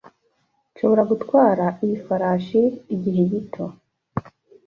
Nshobora gutwara iyi farashi igihe gito?